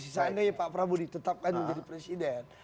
sisa andanya pak prabu ditetapkan menjadi presiden